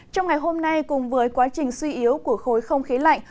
trong ngày hôm nay cùng với quá trình suy yếu của khối không khí lạnh